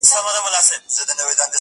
• سیاه پوسي ده، خُم چپه پروت دی.